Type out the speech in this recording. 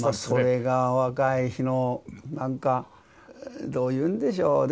それが若い日のなんかどういうんでしょう。